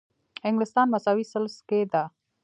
انګلستان مساوي ثلث کې ده.